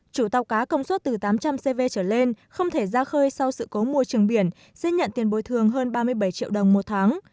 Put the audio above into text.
chủ tàu cá công suất từ tám trăm linh cv trở lên không thể ra khơi sau sự cố môi trường biển sẽ nhận tiền bồi thường hơn ba mươi bảy triệu đồng một tháng